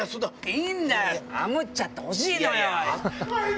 いいんだよあむってほしいのよ！